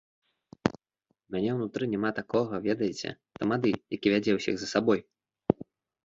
У мяне ўнутры няма такога, ведаеце, тамады, які вядзе ўсіх за сабой!